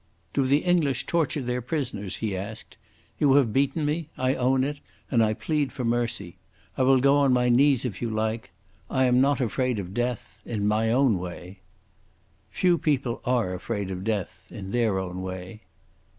"Do the English torture their prisoners?" he asked. "You have beaten me. I own it, and I plead for mercy. I will go on my knees if you like. I am not afraid of death—in my own way." "Few people are afraid of death—in their own way."